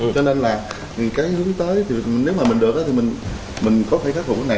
cho nên là vì cái hướng tới thì nếu mà mình được thì mình có thể khắc phục cái này